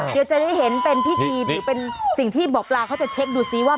เดี๋ยวจะได้เห็นเป็นพิธีหรือเป็นสิ่งที่หมอปลาเขาจะเช็คดูซิว่า